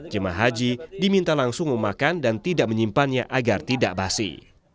jemaah haji diminta langsung memakan dan tidak menyimpannya agar tidak basi